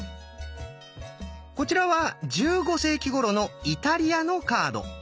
こちらは１５世紀ごろのイタリアのカード。